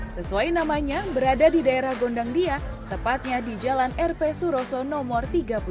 sesuai namanya berada di daerah gondang dia tepatnya di jalan rp suroso nomor tiga puluh dua